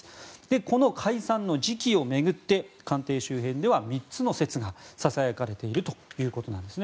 この解散の時期を巡って官邸周辺では３つの説がささやかれているということなんです。